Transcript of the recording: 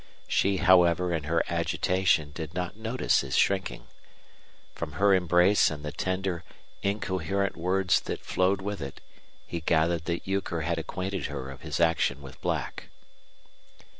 She, however, in her agitation did not notice his shrinking. From her embrace and the tender, incoherent words that flowed with it he gathered that Euchre had acquainted her of his action with Black.